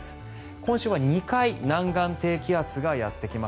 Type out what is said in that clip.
今週は２回南岸低気圧がやってきます。